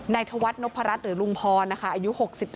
นายธวัฒน์โนภารัฐหรือลุงพรอายุ๖๒